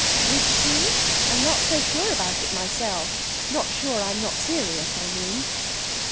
"Would she? I'm not so sure about it myself not sure I'm not serious, I mean."